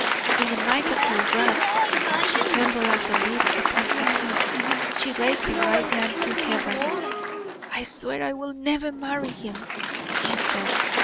In the might of her wrath she trembled as a leaf upon a tree. She raised her right hand to heaven. "I swear I will never marry him," she said.